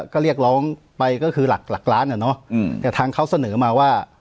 ก็เรียกร้องไปก็คือหลักหลักล้านอ่ะเนอะแต่ทางเขาเสนอมาว่า